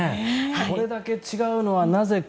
これだけ違うのはなぜか。